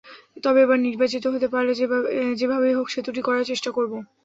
তবে এবার নির্বাচিত হতে পারলে যেভাবেই হোক সেতুটি করার চেষ্টা করব।